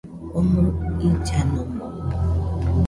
Omoɨ illanomo